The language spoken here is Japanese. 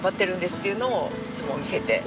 っていうのをいつも見せて。